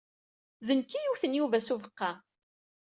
D nekk ay iwten Yuba s ubeqqa.